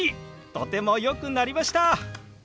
とてもよくなりました！